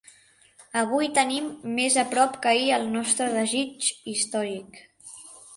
Avui tenim més a prop que ahir el nostre desig històric.